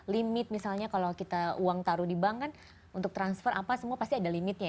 limit misalnya kalau kita uang taruh di bank kan untuk transfer apa semua pasti ada limitnya